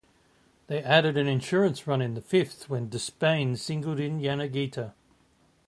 They added an insurance run in the fifth when Despaigne singled in Yanagita.